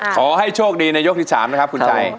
ขอให้โชคดีในยกที่๓นะครับคุณชัย